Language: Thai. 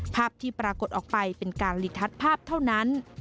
ภาพที่ปรากฏออกไปเป็นการลีทัศน์ภาพเท่านั้น